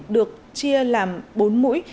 được chia làm bốn mũi